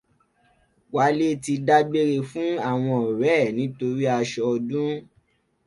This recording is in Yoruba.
Wálé ti dágbére fú àwọn ọ̀rẹ́ ẹ̀ nítorí aṣọ ọdún